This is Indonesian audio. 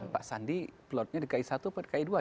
pak sandi plotnya dki satu atau dki dua